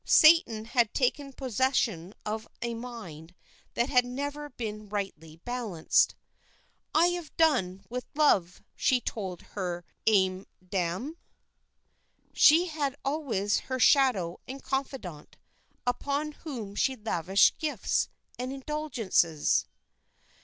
Satan had taken possession of a mind that had never been rightly balanced. "I have done with love," she told her âme damnée. She had always her shadow and confidante, upon whom she lavished gifts and indulgences.